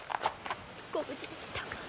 ご無事でしたか。